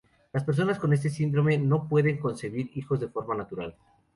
Las personas con este síndrome no pueden concebir hijos de forma natural.